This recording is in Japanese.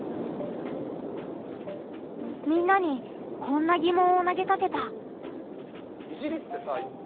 みんなにこんなぎもんをなげかけた。